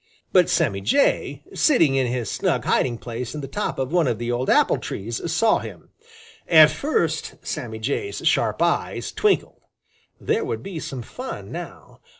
But Sammy Jay, sitting in his snug hiding place in the top of one of the old apple trees, saw him. At first Sammy Jay's sharp eyes twinkled. There would be some fun now!